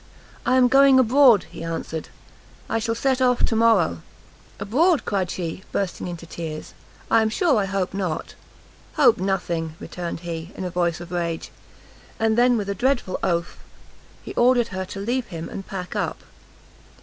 "I am going abroad," he answered; "I shall set off to morrow." "Abroad?" cried she, bursting into tears, "I am sure I hope not!" "Hope nothing!" returned he, in a voice of rage; and then, with a dreadful oath, he ordered her to leave him and pack up.